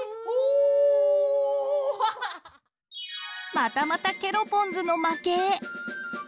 またまたケロポンズの負け。